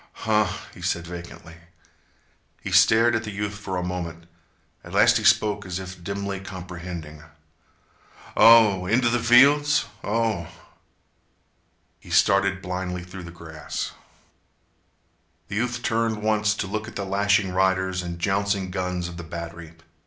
"Huh," he said vacantly. He stared at the youth for a moment. At last he spoke as if dimly comprehending. "Oh! Inteh th' fields? Oh!" He started blindly through the grass. The youth turned once to look at the lashing riders and jouncing guns of the battery.